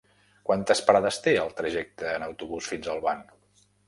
Quantes parades té el trajecte en autobús fins a Olvan?